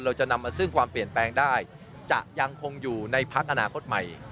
เราจะนำมาซึ่งความเปลี่ยนแปลงได้จะยังคงอยู่ในพักอนาคตใหม่